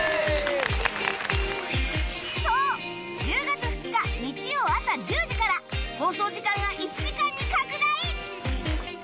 １０月２日日曜あさ１０時から放送時間が１時間に拡大！